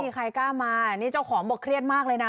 ใครกล้ามานี่เจ้าของบอกเครียดมากเลยนะ